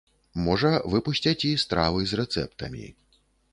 Можа, выпусцяць і стравы з рэцэптамі.